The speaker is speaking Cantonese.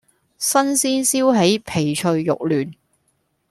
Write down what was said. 新鮮燒起皮脆肉嫩